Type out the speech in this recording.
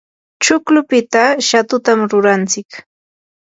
chuklupita shatutam rurantsik.